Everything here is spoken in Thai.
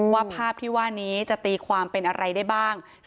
ว่าภาพที่ว่านี้จะตีความเป็นอะไรได้บ้าง